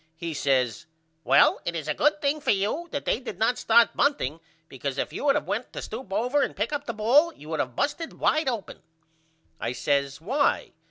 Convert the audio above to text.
He says Well it is a good thing for you that they did not start bunting because if you had of went to stoop over and pick up the ball you would of busted wide open. I says Why?